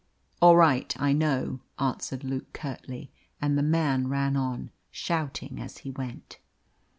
"All right, I know," answered Luke curtly; and the man ran on, shouting as he went.